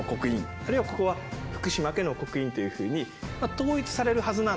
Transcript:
あるいはここは福島家の刻印というふうに統一されるはずなんですが。